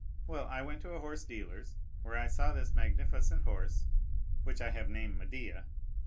Well, I went to a horse dealer's, where I saw this magnificent horse, which I have named Médéah.